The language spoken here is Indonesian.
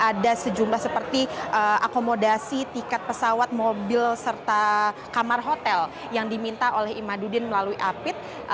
ada sejumlah seperti akomodasi tiket pesawat mobil serta kamar hotel yang diminta oleh imaduddin melalui apit